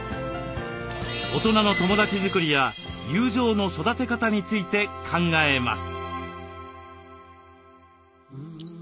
大人の友だち作りや友情の育て方について考えます。